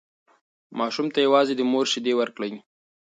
ماشوم ته یوازې د مور شیدې ورکړئ.